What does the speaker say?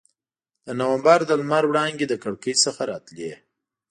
د نومبر د لمر وړانګې له کړکۍ څخه راتلې.